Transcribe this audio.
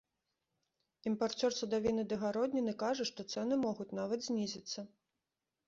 Імпарцёр садавіны ды гародніны кажа, што цэны могуць нават знізіцца!